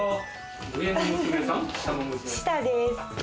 下です。